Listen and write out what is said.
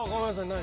何？